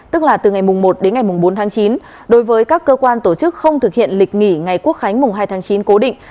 tức là từ ngày một đến ngày bốn tháng chín đối với các cơ quan tổ chức không thực hiện lịch nghỉ ngày quốc khánh mùng hai tháng chín cố định